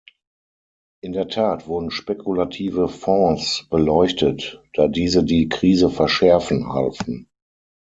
In der Tat wurden spekulative Fonds beleuchtet, da diese die Krise verschärfen halfen.